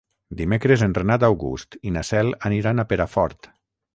Dimecres en Renat August i na Cel aniran a Perafort.